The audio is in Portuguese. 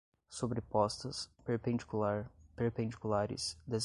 sobrepostas, perpendicular, perpendiculares, desloca, rotação